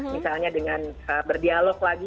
misalnya dengan berdialog